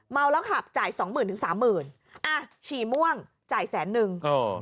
เมาแล้วขับจ่ายสองหมื่นถึงสามหมื่นอ่ะฉี่ม่วงจ่ายแสนนึงเออ